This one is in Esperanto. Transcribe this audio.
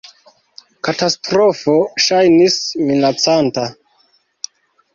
Katastrofo ŝajnis minacanta.